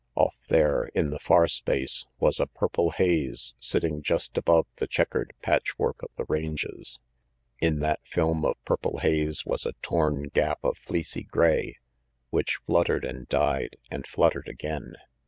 Off there, in the far space, was a purple haze sitting just above the checkered patchwork of the ranges. In that film of purple haze was a torn gap of fleecy gray, which fluttered and died and fluttered again.